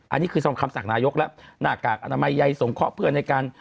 อันนี้คือคำสั่งนายกแล้วหน้ากากอนามัยใยสงเคราะห์เพื่อนในการ